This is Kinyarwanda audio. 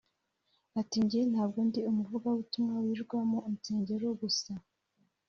Ati “Njye ntabwo ndi umuvugabutumwa wirirwa mu nsengero gusa